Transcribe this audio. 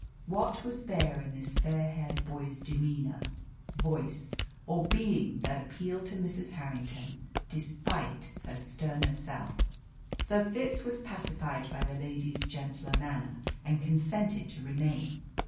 What was there in this fair haired boy's demeanour, voice, or being that appealed to Mrs. Harrington, despite her sterner self? So Fitz was pacified by the lady's gentler manner, and consented to remain.